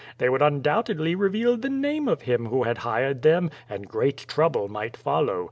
They would undoubtedly reveal the name of him who had hired them, and great trouble might follow.